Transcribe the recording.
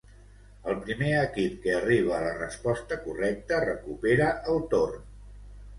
El primer equip que arriba a la resposta correcta recupera el torn.